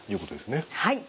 はい。